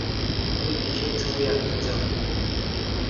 তুমি কীসের ছবি আঁকতে চাও?